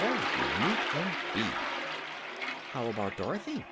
Very neat, indeed." "How about Dorothy?"